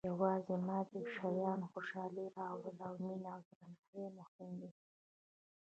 • یوازې مادي شیان خوشالي نه راوړي، مینه او درناوی مهم دي.